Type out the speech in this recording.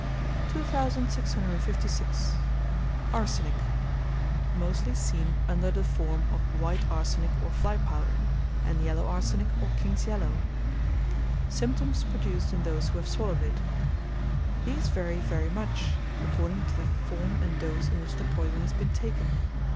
2656. Arsenic. Mostly seen under the form of white arsenic, or fly powder, and yellow arsenic, or king's yellow. Symptoms produced in those who have swallowed it. These vary very much, according to the form and dose in which the poison has been taken.